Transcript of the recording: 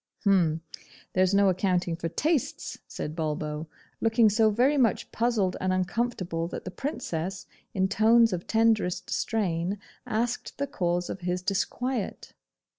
'H'm! there's no accounting for tastes,' said Bulbo, looking so very much puzzled and uncomfortable that the Princess, in tones of tenderest strain, asked the cause of his disquiet.